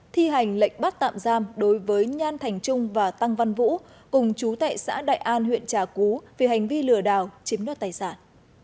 thi hành lệnh bắt tạm giam đối với nhan thành trung và tăng văn vũ cùng chú tệ xã đại an huyện trà cú vì hành vi lừa đảo chiếm đoạt tài sản